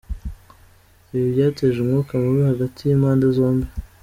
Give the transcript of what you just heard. Ibi byateje umwuka mubi hagati y’impande zombi.